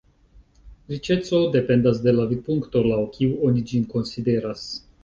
Riĉeco dependas de la vidpunkto, laŭ kiu oni ĝin konsideras.